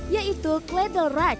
yaitu kledel raj dengan topi runcing